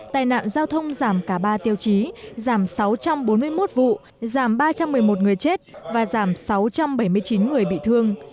tài nạn giao thông giảm cả ba tiêu chí giảm sáu trăm bốn mươi một vụ giảm ba trăm một mươi một người chết và giảm sáu trăm bảy mươi chín người bị thương